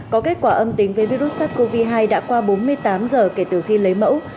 có kết quả âm tính với virus sars cov hai đã qua bốn mươi tám giờ kể từ khi lấy mẫu